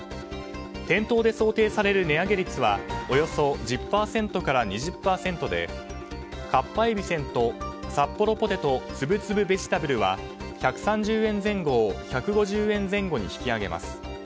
店頭で想定される値上げ率はおよそ１０％から２０％でかっぱえびせんとサッポロポテトつぶつぶベジタブルは１３０円前後を１５０円前後に引き上げます。